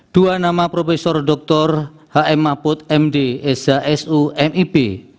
dua nama prof dr h m maput md esa su mip